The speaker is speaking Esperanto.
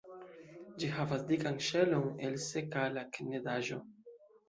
Ĝi havas dikan ŝelon el sekala knedaĵo.